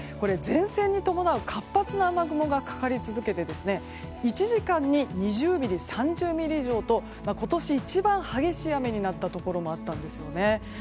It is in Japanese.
前線に伴う活発な雨雲がかかり続けて１時間に２０ミリ、３０ミリ以上と今年一番激しい雨になったところもあったんですよね。